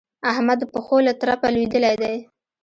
احمد د پښو له ترپه لوېدلی دی.